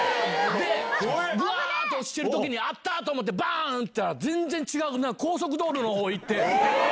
ぶわーっと落ちてるときに、あった！と思って、ばーんっていったら、全然違う高速道路のほう行って。